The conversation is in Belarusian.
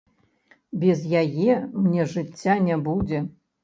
Без яе мне жыцця не будзе!